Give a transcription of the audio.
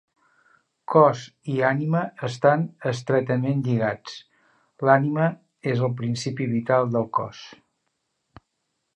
Cos i ànima estan estretament lligats: l'ànima és el principi vital del cos.